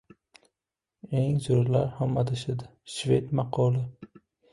Eng zo‘rlar ham adashadi. Shved maqoli